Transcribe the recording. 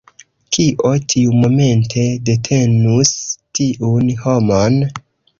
Kio tiumomente detenus tiun homon?